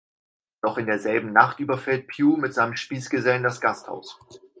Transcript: Noch in derselben Nacht überfällt Pew mit seinen Spießgesellen das Gasthaus.